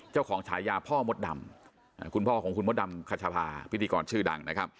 เจ้าของฉายาพ่อมดดำคุณพ่อของคุณมดดำคัชภาพิธีกรชื่อดัง